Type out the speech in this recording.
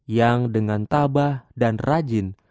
yang dengan tabah dan rajin